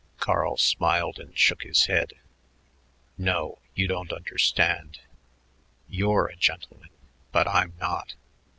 Carl smiled and shook his head. "No, you don't understand. You're a gentleman, but I'm not.